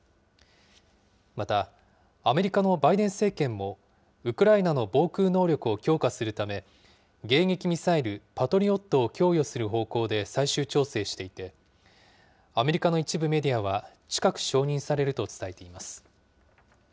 また、アメリカのバイデン政権も、ウクライナの防空能力を強化するため、迎撃ミサイル、パトリオットを供与する方向で最終調整していて、アメリカの一部メディアは近く承認されると伝えています。